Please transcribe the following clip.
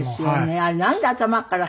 あれなんで頭から。